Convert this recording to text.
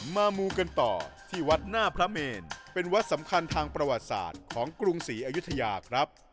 มูกันต่อที่วัดหน้าพระเมนเป็นวัดสำคัญทางประวัติศาสตร์ของกรุงศรีอยุธยาครับ